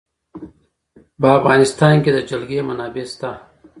په افغانستان کې د جلګه منابع شته.